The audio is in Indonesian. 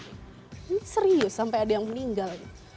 ini serius sampai ada yang meninggal